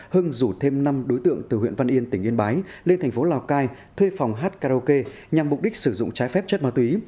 hưng rủ thêm năm đối tượng từ huyện văn yên tỉnh yên bái lên thành phố lào cai thuê phòng hát karaoke nhằm mục đích sử dụng trái phép chất ma túy